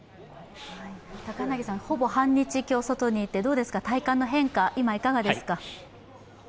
高柳さん、ほぼ半日今日外にいて体感の変化、今いかがですか？